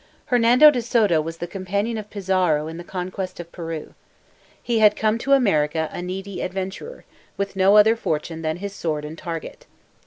Hernando de Soto was the companion of Pizarro in the conquest of Peru. He had come to America a needy adventurer, with no other fortune than his sword and target.